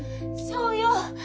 そうよ！